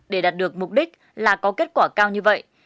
để đạt được mục đích là có kết quả cao như vậy